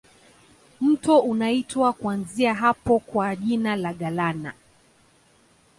Mto unaitwa kuanzia hapa kwa jina la Galana.